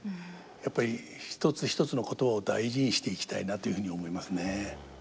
やっぱり一つ一つの言葉を大事にしていきたいなというふうに思いますね。